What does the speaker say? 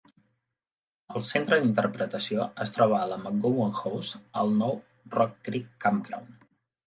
El centre d'interpretació es troba a la McGowan House, al nou Rock Creek Campground.